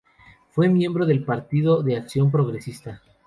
Fue miembro del Partido de Acción Progresista.